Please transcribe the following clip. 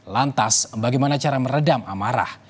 lantas bagaimana cara meredam amarah